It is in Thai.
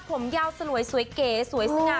ผมยาวสลวยสวยเก๋สวยสง่า